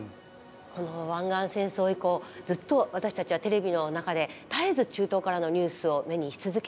この湾岸戦争以降ずっと私たちはテレビの中で絶えず中東からのニュースを目にし続けていますよね。